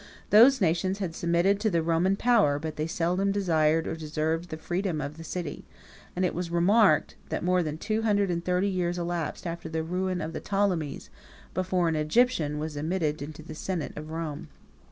43 Those nations had submitted to the Roman power, but they seldom desired or deserved the freedom of the city: and it was remarked, that more than two hundred and thirty years elapsed after the ruin of the Ptolemies, before an Egyptian was admitted into the senate of Rome.